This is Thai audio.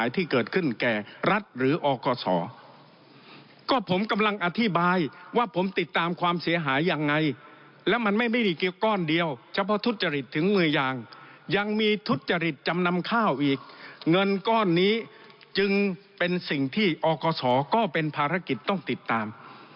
ที่นี้ก็นิจยึงเป็นสิ่งที่อศก็เป็นภารกิจต้องติดตาม